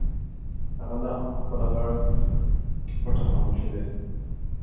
هغه لا هم په خپله غاړه کې پټه خاموشي لري.